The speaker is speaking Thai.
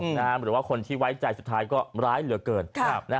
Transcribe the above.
ขวัสไว้ใจก็ร้ายเหลือเกิน